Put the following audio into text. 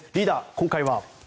今回は？